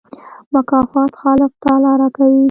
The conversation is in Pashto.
مکافات خالق تعالی راکوي.